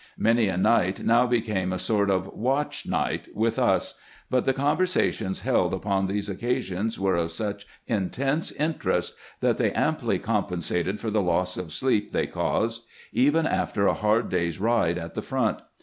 Many a night now became a sort of "watch night" with us; but the conversations held upon these occasions were of such intense interest that they amply compensated for the loss of sleep they caused, even after a hard day's ride at the front.